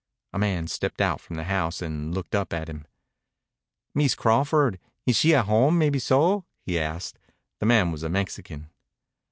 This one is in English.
A man stepped out from the house and looked up at him. "Mees Crawford, ees she at home maybeso?" he asked. The man was a Mexican.